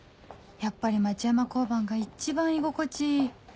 やっぱり町山交番が一番居心地いい